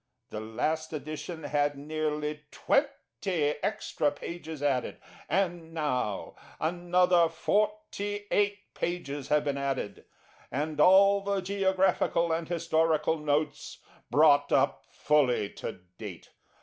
The last Edition had nearly 20 extra pages added, and now another 48 pages have been added, and all the Geographical and Historical Notes brought up fully to date.